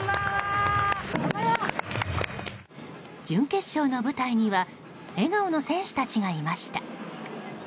準決勝の舞台には笑顔の選手たちがいました。